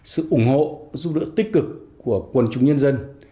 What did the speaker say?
sự ủng hộ giúp đỡ tích cực của quần chúng nhân dân